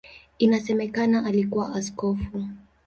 Inasemekana alikuwa askofu.